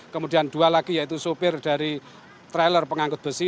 kemudian dua lagi yaitu sopir dari trailer pengangkut besi